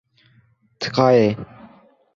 Tika ye.